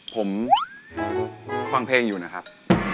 ผมฟังเพลงอยู่นะครับ